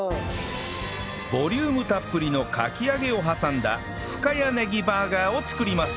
ボリュームたっぷりのかき揚げを挟んだ深谷ねぎバーガーを作ります